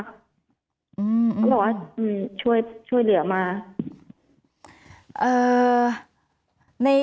เขาบอกว่าช่วยเหลือมา